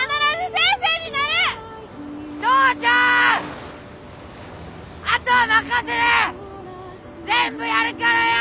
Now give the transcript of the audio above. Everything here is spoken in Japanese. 全部やるからよ！